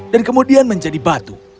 dan kemudian menjadi batu